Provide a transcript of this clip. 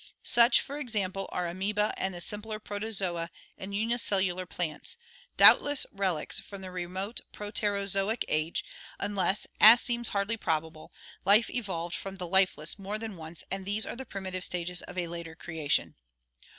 Such, for example, are Amoeba and the simpler Protozoa and unicellular plants, doubtless relics from the remote Proterozoic age, unless, as seems hardly probable, life evolved from the lifeless more than once and these are the primitive stages of a later crea tion.